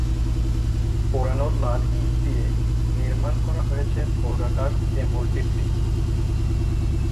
পোড়ানো লাল ইট দিয়ে নির্মাণ করা হয়েছে বর্গাকার এ মসজিদটি।